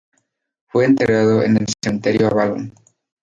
Fue enterrado en el cementerio Avalon.